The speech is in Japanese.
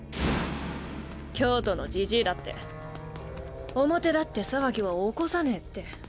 京都のじじいだって表立って騒ぎは起こさねぇって。